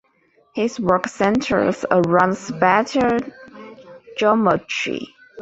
His work centers around spatial geometry.